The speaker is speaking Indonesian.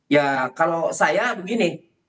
ya kalau saya begini